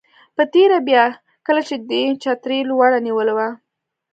په تېره بیا کله چې دې چترۍ لوړه نیولې وه.